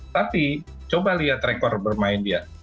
tapi coba lihat rekor bermain dia